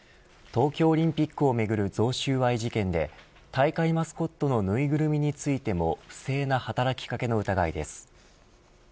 東京オリンピックをめぐる贈収賄事件で大会マスコットのぬいぐるみについても不正な働き掛けの疑いです。